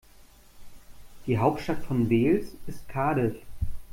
Die Hauptstadt von Wales ist Cardiff.